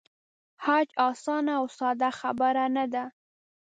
حج آسانه او ساده خبره نه ده.